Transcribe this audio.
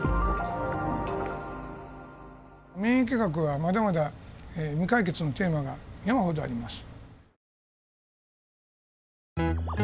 免疫学はまだまだ未解決のテーマが山ほどあります。